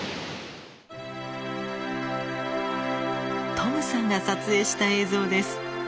トムさんが撮影した映像です。